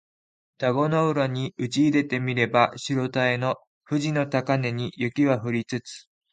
田子の浦にうちいでて見れば白たへの富士の高嶺に雪は降りつつ